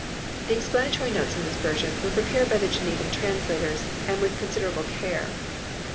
The explanatory notes in this version were prepared by the Genevan translators, and with considerable care.